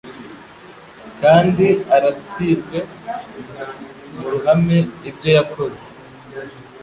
kandi aratirwe mu ruhame ibyo yakoze